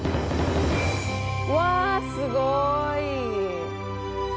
うわすごい！